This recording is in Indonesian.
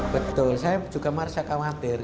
betul saya juga merasa khawatir